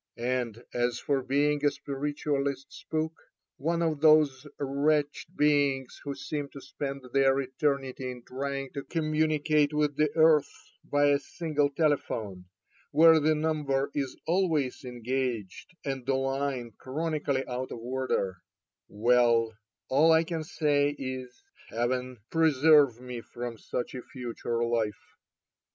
And as for being a spiritualist spook, one of those wretched beings who seem to spend their eternity in trying to communicate with the earth by a single telephone, where the number is always engaged, and the line chroni cally out of order — well, all I can say is. Heaven preserve me from such a future life.